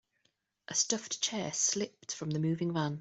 A stuffed chair slipped from the moving van.